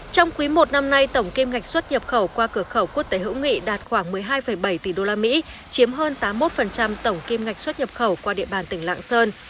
trong quý i năm nay tổng kim ngạch xuất nhập khẩu qua cửa khẩu quốc tế hữu nghị đạt khoảng một mươi hai bảy tỷ usd chiếm hơn tám mươi một tổng kim ngạch xuất nhập khẩu qua địa bàn tỉnh lạng sơn